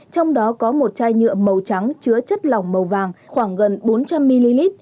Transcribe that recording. trong đó có một chai nhựa màu trắng chứa chất lỏng màu vàng khoảng gần bốn trăm linh ml